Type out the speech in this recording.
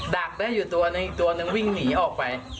ักได้อยู่ตัวนึงอีกตัวนึงวิ่งหนีออกไป